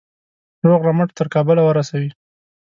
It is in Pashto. روغ رمټ تر کابله ورسوي.